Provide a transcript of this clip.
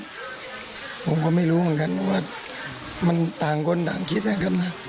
ผมก็ไม่รู้เหมือนกันว่ามันต่างคนต่างคิดอะไรกันนะ